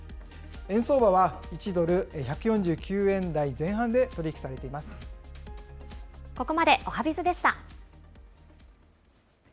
円相場は１ドル１４９円台前半でここまでおはＢｉｚでした。